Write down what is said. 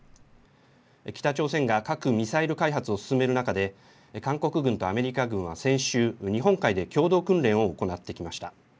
北朝鮮が核・ミサイル開発を進める中で韓国軍とアメリカ軍は先週、日本海で共同訓練を行ってきました。